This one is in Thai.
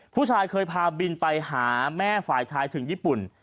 ผู้ชายเคยพาบินไปหาแม่ฝ่ายชายถึงญี่ปุ่น